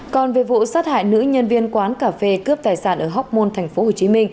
còn về vụ sát hại nữ nhân viên quán cà phê cướp tài sản ở hóc môn tp hcm